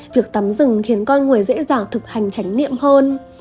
việc tắm rừng khiến con người dễ dàng thực hành tránh niệm hơn